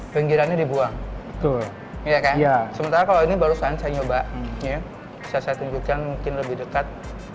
pinggirannya dibuang tuh iya sementara kalau ini baru saja nyoba ya saya tunjukkan mungkin lebih dekat